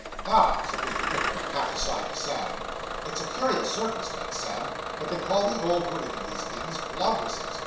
'Ah,' said Mr. Pickwick, half aside to Sam, 'it's a curious circumstance, Sam, that they call the old women in these inns, laundresses.